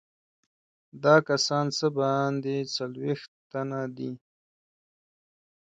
دا کسان څه باندې څلوېښت تنه دي.